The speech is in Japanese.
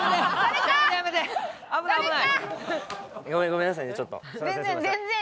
ごめんなさいねちょっと。